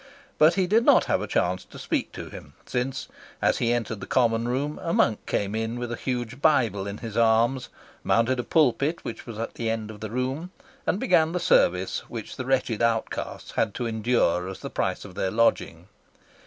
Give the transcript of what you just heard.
But he did not have a chance to speak to him, since, as he entered the common room, a monk came in with a huge Bible in his arms, mounted a pulpit which was at the end of the room, and began the service which the wretched outcasts had to endure as the price of their lodging.